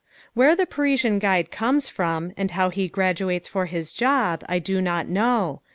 Where the Parisian guide comes from and how he graduates for his job I do not know.